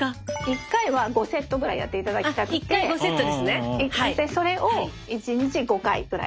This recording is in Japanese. １回は５セットぐらいやっていただきたくてそれを１日５回くらい。